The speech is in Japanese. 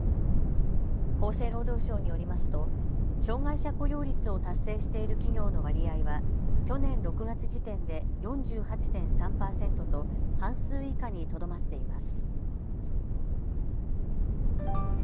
厚生労働省によりますと障害者雇用率を達成している企業の割合は去年６月時点で４８．３％と半数以下にとどまっています。